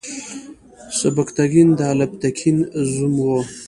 سبکتګین د الپتکین زوم و.